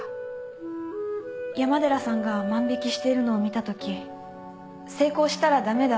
山寺さんが万引しているのを見たとき成功したら駄目だ。